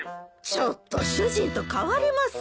ちょっと主人と代わります。